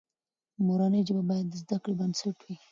مورنۍ ژبه باید د زده کړې بنسټ وي.